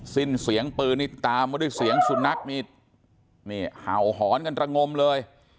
สิ้นเสียงปืนนี่ตามมาด้วยเสียงสุนัขนี่เห่าหอนกันระงมเลย